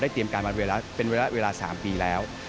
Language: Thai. เตรียมการมาเป็นเวลา๓ปีแล้ว